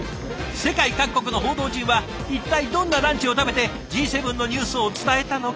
世界各国の報道陣は一体どんなランチを食べてＧ７のニュースを伝えたのか。